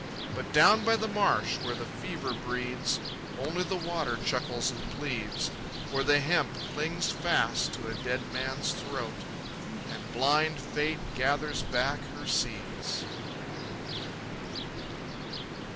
But down by the marsh where the fever breeds, Only the water chuckles and pleads; For the hemp clings fast to a dead man's throat, And blind Fate gathers back her seeds.